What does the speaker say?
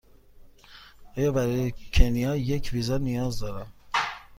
آیا برای کنیا به ویزا نیاز دارم؟